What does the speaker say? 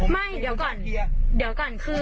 ไม่เดี๋ยวก่อนเดี๋ยวก่อนคือ